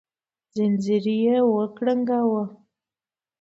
ځنځير يې وکړانګاوه